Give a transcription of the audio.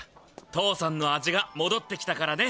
父さんの味がもどってきたからね。